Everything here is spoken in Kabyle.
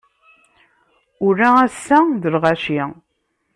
Ula ass-a d lɣaci.